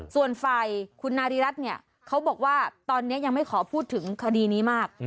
ส่วนฝ่ายคุณนาริรัตน์เนี่ยเขาบอกว่าตอนนี้ยังไม่ขอพูดถึงคดีนี้มาก